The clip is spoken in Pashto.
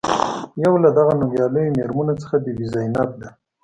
یو له دغو نومیالیو میرمنو څخه بي بي زینب ده.